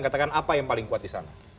katakan apa yang paling kuat di sana